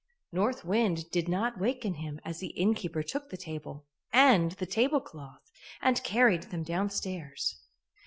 North Wind did not waken him as the innkeeper took the table and the tablecloth and carried them downstairs.